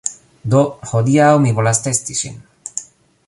Do, hodiaŭ mi volas testi ŝin